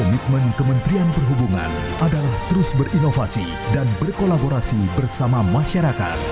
komitmen kementerian perhubungan adalah terus berinovasi dan berkolaborasi bersama masyarakat